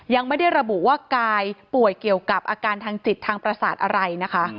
ยังไม่ได้ระบุว่ากายป่วยเกี่ยวกับอาการทางจิตทางประสาทอะไรนะคะ